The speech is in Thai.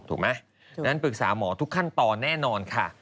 ด้วยฉะนั้นปรึกษาหมอทุกขั้นตอนแน่นอนค่ะ